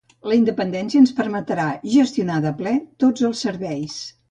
La independència ens permetrà gestionar de ple tots els serveis